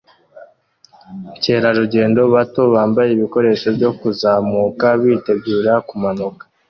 mukerarugendo bato bambaye ibikoresho byo kuzamuka bitegura kumanuka